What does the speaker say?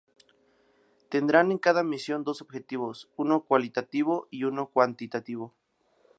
Tendrán en cada misión, dos objetivos: uno cualitativo y uno cuantitativo.